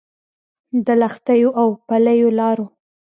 د لښتيو او پلیو لارو